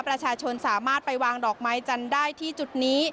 ประชาชนสามารถไปวางดอกไม้จันทร์ได้ที่จุดนี้